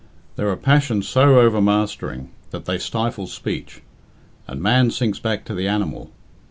There are passions so overmastering that they stifle speech, and man sinks back to the animal.